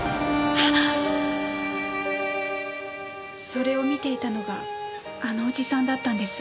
それを見ていたのがあのおじさんだったんです。